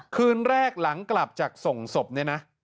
คืนแรกหลังกลับจากส่งศพเนี่ยนะ